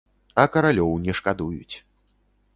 А каралёў не шкадуюць.